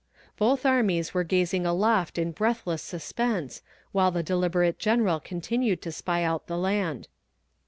Both armies were gazing aloft in breathless suspense, while the deliberate general continued to spy out the land.